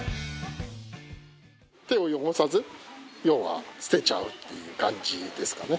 手を汚さず要は捨てちゃうっていう感じですかね。